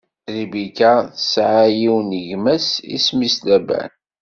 Ribika tesɛa yiwen n gma-s isem-is Laban.